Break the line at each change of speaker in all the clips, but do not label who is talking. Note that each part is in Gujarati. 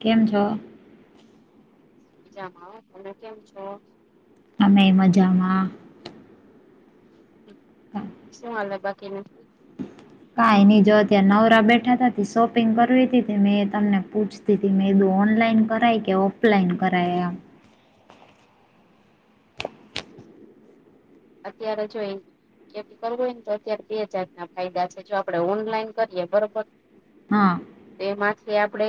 કેમ છો?
મજામાં હું તમે કેમ છો?
અમે મજામાં
શું હાલે બાકી
કાઈ ની જો અત્યારે નવરા બેઠા તા તે શોપિંગ કરવી તી તે મેં તમને પૂછ તી તી મે કીધું ઓનલાઈન કરાય કે ઓફલાઈન કરાય આમ
અત્યારે જોઈ એ થી કરવો હોએ તો અત્યારે બે હજાર ના ફાયદા છે જો આપડે ઓનલાઈન કરીએ બરોબર
હા.
તેમાંથી આપડે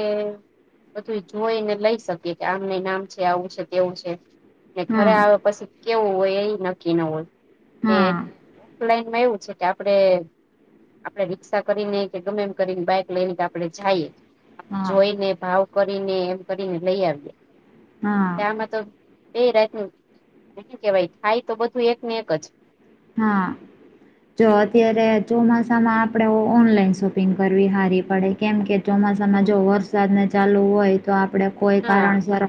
બધું જોઈ ને લઈ શકીએ કે આમ ની ને આમ છે, આવું છે તેવું છે. ને ઘરે
હા
આવે પછી કેવું હોય એ નક્કી ન હોય કે
હા
ઓફલાઇનમાં એવું છે, કે આપડે આપણે રિક્ષા કરીને કે ગમે એમ કરીને બાઈક લઈને કે આપણે જાઇ
હા
જોઈને ભાવ કરીને એમ કરીને લઈ આવીએ.
હા.
એ મા તો બે રાતનું હું કેવાય થાય તો બધું એક ને એક જ
હા. જો અત્યારે ચોમાસામાં આપણે ઓનલાઈન શોપિંગ કરવી હારી પડે કેમ કે
હમ
ચોમાસામાં જો વરસાદને ચાલુ હોય તો આપડે કોઈ
હા
કારણસર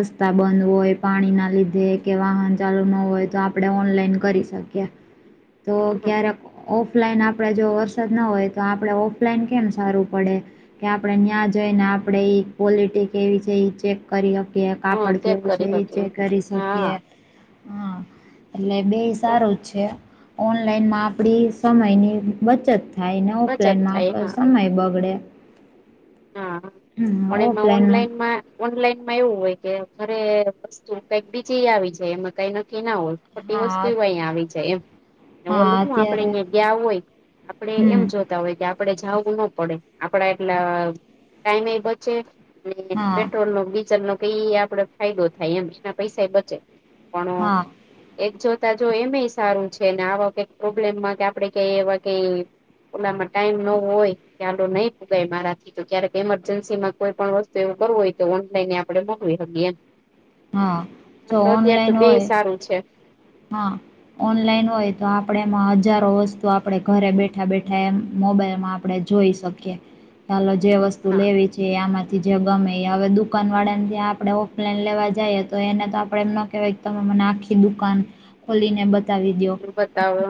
રસ્તા બંધ હોય પાણીના લીધે કે વાહન ચાલુ ન હોય તો આપણે ઓનલાઈન કરી શ [unintelligible] તો
હમ
ક્યા રા ઓફલાઈન આપણેે જો વરસાદ ના હોય તો આપણે ઓફલાઈન કેમ સારું પડે કે આપણેે ન્યાં જઈ ને આપણેે ઈ કવોલિટી કેવી છે, ઇ ચેક કરી હકીએ
હમ
કાપડ
ચેક
કેવું
કરી
છે, ઇ
હકી
ચેક કરી
હા
શકીએ. એટલે બેય
તો
સારું જ છે, ઓનલાઈનમાં આપડી સમયની બચત થાય [unintelligible]
બચત
ઓફલાઈન
થાય
આપણો
હા
સમય બગડે
હા
હમ
પણ એમાં
ઓફલાઈનમાં
ઓનલાઈનમાં ઓનલાઈનમાં એવું હોય કે ઘરે વસ્તુ કઈક બીજી આવી જાય એમાં કઈ નક્કી ના હોય. ખોટી વસ્તુ
હા
અહીં આવી જાય એમ
હા
ઓલું હું આપડે
અત્યારે
અહિયાં ગયા હોય આપડે એમ
હમ
જો તા હોય કે આપડે જાવું ન પડે આપડા એટલા ટાઈમે એ બચે અને
હા
પેટ્રોલનો ડીઝલનો કઈ આ પડે ફાયદો થાય એમ એના પૈસાય બચે પણ
હા
એક જોતા જો એમે ય સારું છે, ને આવા કઈક પ્રોબ્લેમમાં કે આપડે કઈ એવા કઈ ઓલામાં ટાઈમ ન હોય તો હાલો નહીં પુગાય મારાથી તો ક્યારેક ઇમરજન્સીમાં કોઈ પણ વસ્તુ એવું કરવું હોય તો ઓનલાઈન આપણેે મોકલી હકીએ એમ
હા જો
[unintelligible] અત્યાર તો બેય સારું છે.
હ. ઓનલાઈન હોય તો આપડે એમાં હજારો વસ્તુ આપડે ઘરે બેઠા બેઠા એમ મોબાઈલમાં આપડે જોઈ શકીએ અલો જે વસ્તુ
હા
લેવી છે, એ આમા થી જે ગમે ઈ હવે દુકાન વાળા ને ત્યાં આપણે ઓફલાઈન લેવા જાઈએ તો એને તો આપડે એમ ન કહેવાય તમે મને આખી દુકાન ખોલીને બ તાવી દયો
બતાવો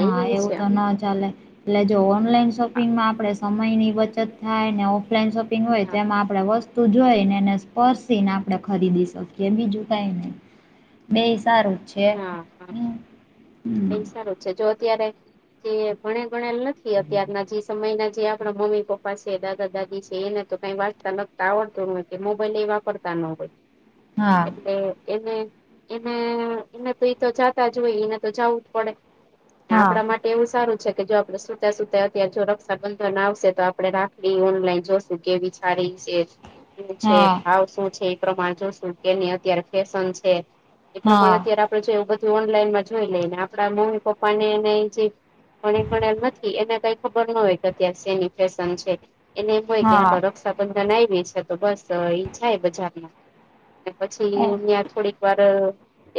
હા
એ
એવું
છે.
તો ના ચાલે એટલે જો ઓનલાઈન
હા
શોપિંગમાં આપડે સમયની બચત થાય ને ઓફલાઈન શોપિંગ હોય તો એમાં આપણે વસ્તુ જોઈનેને પરસી ને આપણે ખરીદી શકીએ બીજું કાઈ નહી બેય સારું છે.
હા
હમ
એ
હમ.
સારું છે, જો અત્યારે જે ભણેલ ગણેલ ન થી અત્યારના જે સમયના જે આપણા મમ્મી પપ્પા છે, દાદા દાદી છે, એને તો કાંઈઈ વાંચતા લખતા આવડ તું નથી મોબાઈલ એ વાપર તા ન હોય
હા
એટલે એને એને એને તો ઈ તો જાતા જ હોય એને તો જાવું જ પડે
હા
આપણા મા ટેવુ સારું છે, કે જો આપણે સુતા સુતા અત્યારે જો રક્ષાબંધન આવશે તો આપણે રાખડી ઓનલાઈન જોશું કેવી હારી છે સુ છે
હા
ભાવ શું છે ઈ પ્રમાણે જોશું કેની અત્યારે ફેશન છે એ પ્રમાણે
હા હા.
અત્યારે આપળે જો એવુ બધું ઓનલાઈનમાં જોઈ લઈ ને આપળા મમ્મી પપ્પા ને અને જે [unintelligible] પણ એમ નથી એને કઈ ખબર ન હોય કે અત્યારેે શેની ફેશન છે એને એમ હોય કે આ તો
હા
રક્ષાબંધન આયવી છે તો બસ ઈ જાય બજારમાં ને પછી ન્યા થોડીક વાર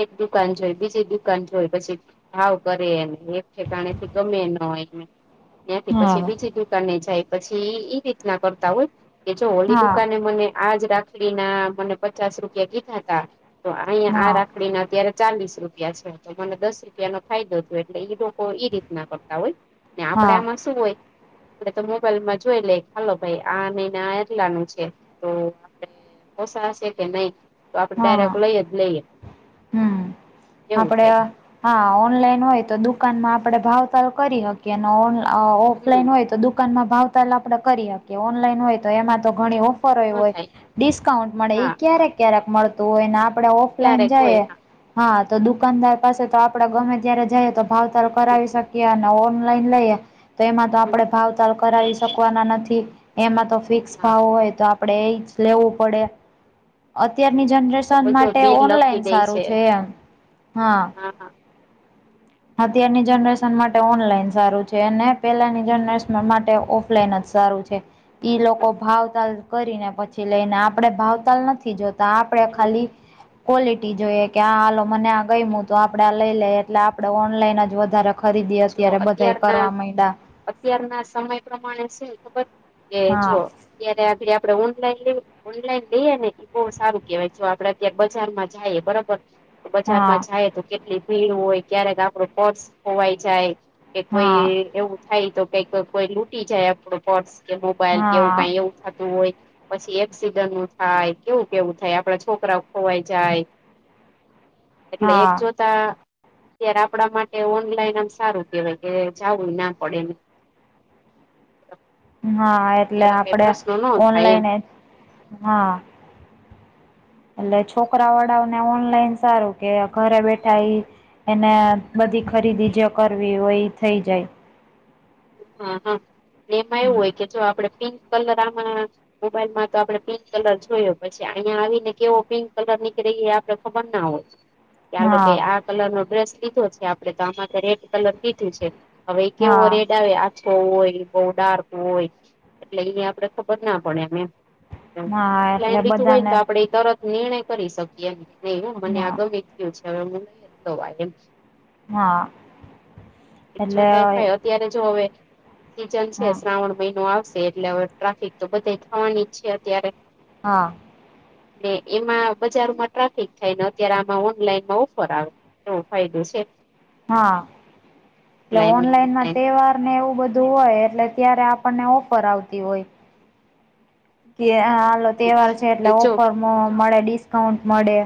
એક દુકાન જોઈ બીજી દુકાન જોય પછી ભાવ કરે એમ એકઠેકાણેથી ગમે નય ને ન્યાથી પછી
હા
બીજી દુકાને જાય પછી ઈ રીતના કરતા હોય કે જો ઓલી દુકાને મને આજ રાખળીના મને પચાસ રૂપિયા કીધા તા તો ઐયા આ
હા
રાખળીના અત્યારે ચાલીસ રૂપિયા છે તો મને દસ રૂપિયા નો ફાયદો થ્યો એટલે ઈ લોકો ઈ રીતના કરતા હોય ને આપડે
હા
આમાં શું હોય આપળે તો મોબાઈલમાં જોય લે હાલો ભાઈ આ નઈને આ આટલાનું છે તો આપળે પોસા શે કે નય તો આપળે ડાયરેક લયજ લઈએ.
હમ્મ
એવું
આપળે
થાય
આ હા ઓનલાઈન હોય તો દુકાનમાં આપળે ભાવતાલ કરી હકીએ ને ઓન અ
હમ
ઓફલાઈન હોય તો દુકાનમાં ભાવતાલ આપળે કરી હકીએ ઓનલાઈન હોય તો એમાં તો ઘણી ઓફ ફર એવું
ન
હોય
થાય
ડિસ્કાઉન્ટ મળે ઈ
હા
ક્યારેક ક્યારેક મળતું હોય ને આપળે ઓફલાઈન
ક્યારેક હોય
જઈએ હા તો દુકાનદાર પાસે તો આપળે ગમે ત્યારે જઈએ તો ભાવતાલ
હા
કરાવી શકીએ અન ને ઓનલાઈન લઈએ તો એમાં તો આપળે ભાવતાલ કરાવી શકવાના નથી એમાં તો ફિક્સ
હા
ભાવ હોય તો આપડે ઈ જ લેવું પડે અત્યારની જનરેશન
તો જો
માટે
બિલ લખી
ઓનલાઈન
દે
સારું છે એમ હા અત્યારની જનરેશન માટે ઓનલાઈન સારું છે અને પેલાની જનરેશન માટે ઓફ લાઈન જ સારું છે ઈ લોકો ભાવતાલ કરીને પછી લે ને આપડે ભાવતાલ નથી જોત તાં આપળે ખાલી ક્વોલિટી જોઈએ કે આ હાલો મને આ ગયમુ તો આપળે આ લઈ લઈએ એટલે આપડે ઓનલાઈન જ વધારે ખરીદી
જો
અત્યારે બધાએ
અત્યારના
કરવા મૈડા.
અત્યારના સમય પ્રમાણે શું ખબર કે
હા
જો ત્યારે [unintelligible] આપળે ઓનલાઈન [unintelligible] ઓનલાઈન લઈએ ને ઈ બો સારું કેવાય જો આપળે અત્યારે બજારમાં જાએ બરાબર
હા
બજારમાં જાએ તો કેટલી ભીડ હોય ક્યારેક આપળુ પર્સ ખોવાઈ જાય કે કોઈ
હા
એવું થાય તો કઈક કોઈ લૂટી જાય આપળુ પર્સ કે મોબાઈલ કે એવું કાંઈ
હા
એવું થાતું હોય પસી એક્સિડન્ટ નું થાય કેવું કેવું થાય આપળા છોકરા ખોવાઈ જાય એટલે એક
હા
જોતા અત્યારે આપળા માટે ઓનલાઈન આમ સારું કેવાય કે જાવુ ના પડે એમ
હા એટલે આપડે
થાય એમ
ઓનલાઈ એજ હા એટલે છોકરા વાળાઓને ઓનલાઈન સારું કે ઘરે બેઠા ઈ એને બધી ખરીદી જે કરવી હોઈ થઈ જાય.
હા હા એમાં એવું હોય કે જો આપળે પિંક કલર આમાં મોબાઈલમાં તો આપળે પિંક કલર જોયો પછી ઐયા આવીને કેવો પિંક કલર નીકળે ઈ આપળે ખબર ના હોય કે આલોકે
હા
આ કલર નો ડ્રેસ લીધો છે આપળે તો આમાં રેડ કલર કીધું છે અવે ઈ કેવો
હા
રેડ આવે આછો હોય, બહુ ડાર્ક હોય એટલે ઈ આપણે ખબર ના પડે એમ.
હા
ઓફલાઈન
એટલે
લીધું હોય, ને
બધાને
તો આપડે ઈ તરત નિર્ણય કરી શકીએ, નહી હો મને આ
હા
ગમી ગીયું છે. હવે [unintelligible] એમ.
હા એટલે
છતાંય ભાઈ અત્યારે જો હવે. સીઝન છે,
હા
શ્રાવણ મહિનો આવશે એટલે હવે ટ્રાફિક તો બધે થવાની જ છે અત્યારે.
હા.
ને એમાં બજારમાં ટ્રાફિક થાય, ને અત્યારે આમાં ઓનલાઈનમાં ઓફર આવે. એ ફાયદો સે
હા, એ
ને
ઓનલાઈન માટે
નો.
તહેવાર ને એવું બધું હોય, એટલે ત્યારે આપણને ઓફર આવતી હોય કે હાલ તહેવાર છે. એટલે
જો
ઓફરમાં મળે ડિસ્કાઉન્ટ મળે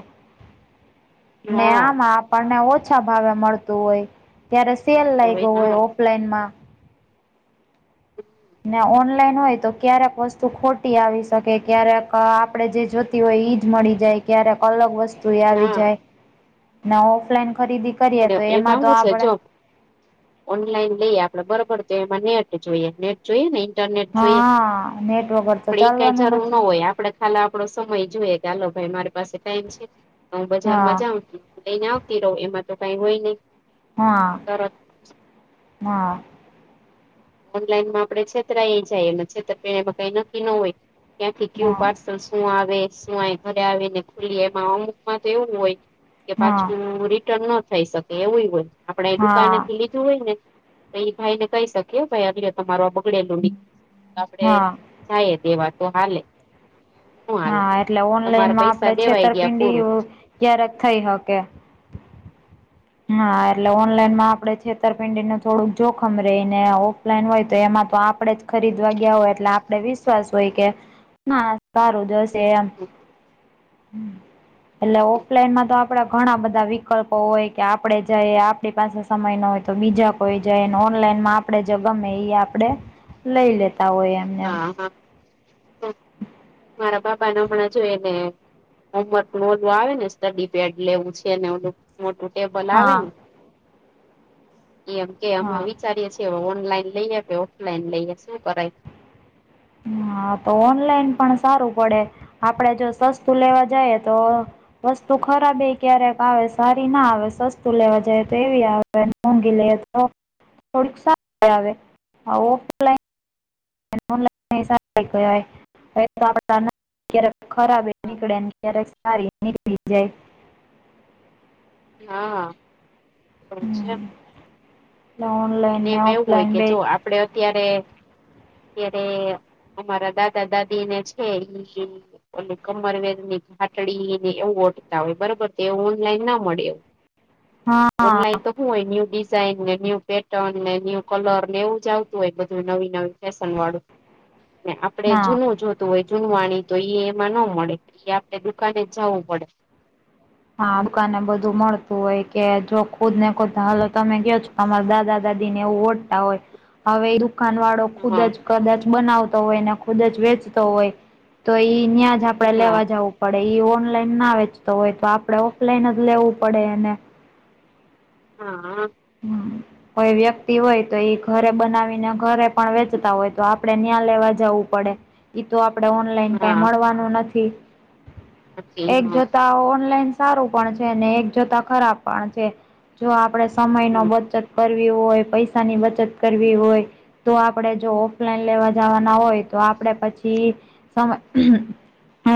ને
હા
આમાં આપણને ઓછા ભાવે મળતું હોય. ત્યારે સેલ
તો
લાયગો
હા
હોય પ્લેનમાં
હમ્મ.
ને ઓનલાઈન હોય. તો ક્યારેક વસ્તુ ખોટી આવી શકે. ક્યારેક આપડે જે જોતુ હોય, ઈ જ મળી જાય ક્યારેક અલગ વસ્તુ આવી
હા
જાય. ને ઓફલાઈન ખરીદી કરીએ તો એમાં
હું
તો
છે જો
આપડે
ઓનલાઈન લઈએ આપણે બરોબર તો એમાં નેટ જોઈએ. નેટ જોઈએ, ને ઇન્ટરનેટ જોઈએ
હા નેટ વગર
ઓલામાં
તો
આપણે એક ક
ચાલવાનું
જરૂર
નથી
ના હોય. આપ આપડે ખા આપણો સમય જોઈએ, કે હાલો ભાઈ મારી પાસે ટાઈમ છે હું બજારમાં
હા
જાઉ છું. લઈને આવતી રહો એમાં તો કઈ હોય નહી
હા
તરત
હા..
ઓનલાઈનમાં આપડે છેતરા જાયએ. એ છેતરા કઈ નક્કી ન હોય ક્યાંથી કેવું
હા
પાર્સલ શું આવે શું, [unintelligible] ઘરે આવીને ખુલીએ એમાં અમુક માં તો એવું હોય. કે
હા
પાછું રિ ટન શકે એવું હોય, આપણે એ દુકાને
હા
થી લીધું ને તો એ ભાઈને કહી શકે કે ભાઈ [unintelligible] તમારો બગડેલું છે. આપણે
હા
જાયએ દેવા તો હાલે નો હાલે
હા, એટલે
તમારા
ઓનલાઈનમાં આપણે
પૈસા દેવાઈ ગયા
છેતરપિંડી
પૂરું
ક્યારેક થઈ હકે હા, એટલે ઓનલાઈનમાં આપણે છેતરપિંડી નું થોડું જો જોખમ રહે ને ઓ ઓફલાઇન હોય, તો એમાં તો આપણેે જ ખરીદવા ગયા હોય. આપડે વિશ્વાસ હોય કે ના આ સારું જશે એમ હમ્મ, એટલે ઓફલાઈનમાં તો આપણા ઘણા બધા વિકલ્પો હોય કે આપણે જઈએ, આપણી પાસે સમય ન હોય તો બીજા કોઈ જાય. અને ઓનલાઈનમાં આપણે જે ગમે એ આપ આપડે લઈ લેતા હોય. એમને એમ
હા હા, મારા બાપ [unintelligible] જોઈને હોમવર્ક ન ઓલું આવે ને સ્ટડી પેડ લેવું છે ને. [unintelligible] મોટું ટેબલ આવે
હા
ને એમ કે અમે
હા
વિચારીએ ઓનલાઈન લઈએ, કે ઓફલાઈન લઈએ શું કરાય
હા, તો ઓનલાઈન પણ સારું પડે. આપણે જો સસ્તું લેવા જાયે તો વસ્તુ ખરાબ એ ક્યારેક આવે સારી ના આવે સસ્તું લેવા જાય. તો એવી આવે તો ઓનલાઈન [unintelligible] [unintelligible] [unintelligible] થોડુક સારુ આવે આ ઓફલાઈન [unintelligible] [unintelligible] ક્યારેક ખરાબ એ નીકળે ક્યારેક સારી નીકળી જાય
હા, એવુ છે.
ઓનલાઇન
ને એમાં એવું હોય, કે જો આપડે અત્યારે ત્યારે અમારા દાદા દાદી ને છે ઇ અને કમરવેરની ઘાટડીને એવું ઓઢતા હોય બરોબર તો એ ઓનલાઈન ના મળે.
હા
ઓનલાઈન તો હુ હોય ન્યુ ડિઝાઇન ન્યુ પેટ [unintelligible] ને ન્યુ કલર ને એવું જ આવતું હોય બધું નવી નવી ફેશનવાળું. ને આપડે
ના
જૂનું જો તું હોય જૂનવાણી તો એ એમાં ન મળે એ આપણે દુકાને જાવું પડે.
હા દુકાન ને બધું મળતું હોય કે જો ખુદ ને ખુદને હાલ તમે ગયો છો અમાર દાદા દાદીને એવું ઓડતા હોય હવે દુકાનવા ળો ખુદ
હા
જ કદાચ બનાવતો હોય ને ખુદ જ વેચતો હોય તો ઈ ન્યાજ આપડે
હા
લેવા જવું પડે ઈ ઓનલાઈન ના વેચતો હોય તો આપડે ઓફલાઈન લેવું પડે એને.
હાઆ.
કોઈ વ્યક્તિ હોય તો ઈ ઘરે બનાવીને ઘરે પણ વેચતા હોય તો આપડણે ન્યા લેવા જવું પડે. ઈ તો આપડે ઓનલાઈન કઈ
હા
મળવાનું નથી,
નથી
એક
હા
જોતા ઓનલાઈન સારું પણ છે ને એક જોતા ખરાબ પણ છે જો આપડે સમયનો
હમ
બચત કરવી હોય, પૈસાની બચત કરવી હોય તો આપડે જો ઓફલાઈન લેવા જવાના હોય તો આપડે પછી સમય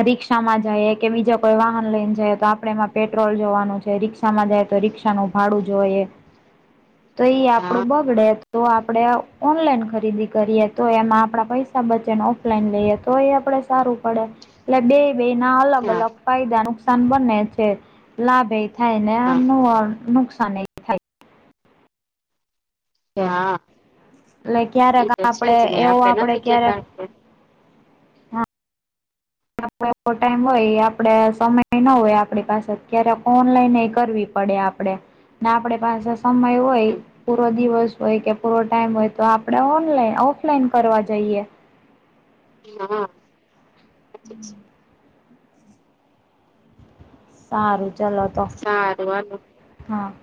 રીક્ષામાં જઈએ કે બીજા કોઈ વાહન લઈને જઈ તો આપડે એમાં પેટ્રોલ જોવાનું છે રીક્ષામાં જાય તો રીક્ષાનું ભાડું જોયે તો ઈ
હા
આપડું બગડે તો આપડે ઓનલાઈન ખરીદી કરીએ તો એમાં આપડા પૈસા બચે ને ઓફલાઈન લઈએ તો એ આપડે સારું પડે એટલે બેય બેયના અલગ
હા
અલગ ફાયદા નુકસાન બંને છે. લાભેય થાયને આમ
હા
નુકશાન નેય થાય. છે
હા
એટલે
એ
ક્યારેક
તો
આપડે
છેજ ને
એવો
આપડે નથી
ક્યારેક
કેતા કે
આપડે આપડો ટાઈમ હોય એ આપડે સમય ન હોય આપડી પાસે ક્યારે ઓનલાઈનેય કરવી પડે આપડે ને આપડે પાસે સમય હોય
હમ,
પૂરો દિવસ હોય કે પૂરો ટાઈમ હોય તો આપડે ઓનલાઈન ઓફલાઈન કરવા જઈએ.
હા.
[inaudible] સારું ચલો. તો
સારું હાલો.
હા.